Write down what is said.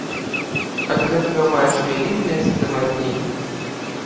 Ад гэтага маеш вялізнае задавальненне.